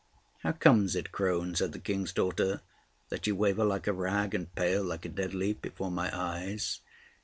"How comes it, crone," said the King's daughter, "that you waver like a rag, and pale like a dead leaf before my eyes?"